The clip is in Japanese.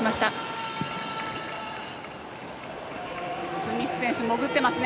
スミス選手、潜ってますね。